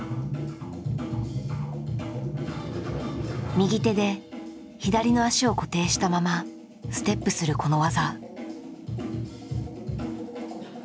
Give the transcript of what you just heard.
右手で左の足を固定したままステップするこの技。